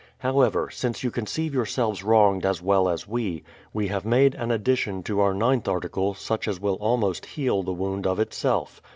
However, since you conceive your S'^lves wronged as well as we, we have made an addition to our Qth article, such as will almost heal the wound of itself.